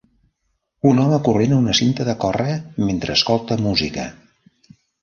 Un home corrent a una cinta de córrer mentre escolta música